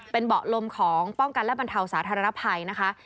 เป็นเบาะลมของป้องกันและบรรเทาสาธารณภัยนะคะ